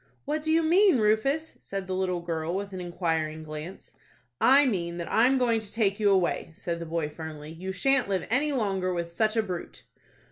"What do you mean, Rufus?" said the little girl, with an inquiring glance. "I mean that I'm going to take you away," said the boy, firmly. "You shan't live any longer with such a brute."